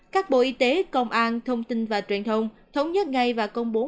các bộ y tế công an thông tin và truyền thông thống nhất ngay và công bố